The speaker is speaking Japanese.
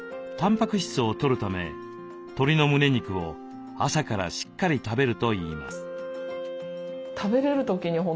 たんぱく質をとるため鶏のむね肉を朝からしっかり食べるといいます。